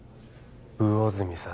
魚住さん